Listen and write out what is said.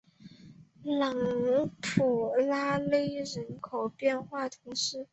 朗屈雷勒人口变化图示